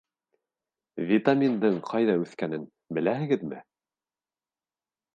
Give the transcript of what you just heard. Витаминдың ҡайҙа үҫкәнен беләһегеҙме?